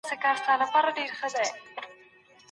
که د بېلابېلو خيرونو تر منځ واقع سئ څه به کوئ؟